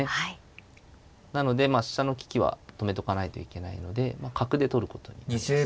なので飛車の利きは止めとかないといけないので角で取ることになります。